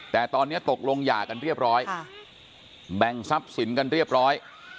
แต่ตอนนี้ตกลงหย่ากันเรียบร้อยแบ่งทรัพย์สินกันเรียบร้อย